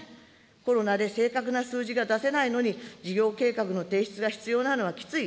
コロナで正確な数字が出せないのに、事業計画の提出が必要なのはきつい。